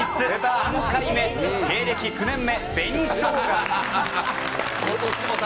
３回目、芸歴９年目、紅しょうが。